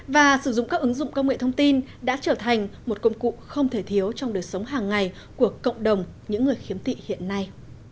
và sử dụng các ứng dụng công nghệ thông tin đã trở thành một công cụ không thể thiếu trong đời sống hàng ngày của cộng đồng những người khiếm thị hiện nay